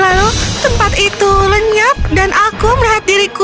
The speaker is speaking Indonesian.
lalu tempat itu menyedihkan dan aku merahat diriku